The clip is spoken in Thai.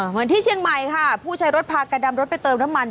เหมือนที่เชียงใหม่ค่ะผู้ใช้รถพากับรถไปเติมน้ำมัน